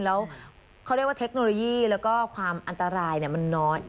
แล้วเขาเรียกว่าเทคโนโลยีแล้วก็ความอันตรายมันน้อย